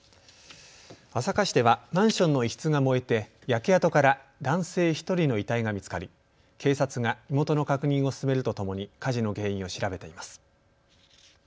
朝霞市ではマンションの一室が燃えて焼け跡から男性１人の遺体が見つかり警察が身元の確認を進めるとともに火事の原因を調べています。